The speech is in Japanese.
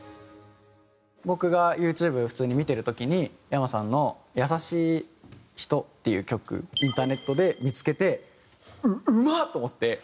僕がユーチューブ普通に見てる時にｙａｍａさんの『優しい人』っていう曲インターネットで見付けて「うまっ！」と思って。